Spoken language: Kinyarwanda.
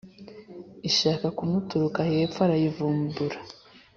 ishaka kumuturuka hepfo arayivumbura.